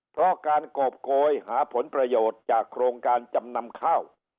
เพราะการโกบโกยหาผลประโยชน์จากโครงการจำนำข้าว